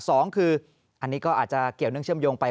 สองคืออันนี้ก็อาจจะเกี่ยวเนื่องเชื่อมโยงไป